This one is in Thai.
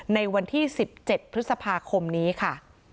ในวันที่๑๗พฤษภาคมนี้ค่ะ